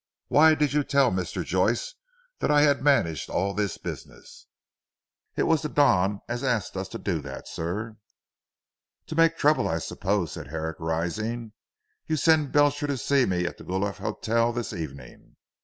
Why did you tell Mr. Joyce that I had managed all this business?" "It was the Don as asked us to do that sir." "To make trouble I suppose," said Herrick rising, "you send Belcher to see me at the Guelph hotel this evening.